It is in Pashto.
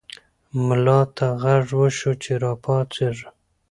ملا ته غږ وشو چې راپاڅېږه.